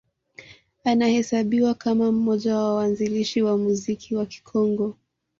Anahesabiwa kama mmoja wa waanzilishi wa muziki wa Kikongo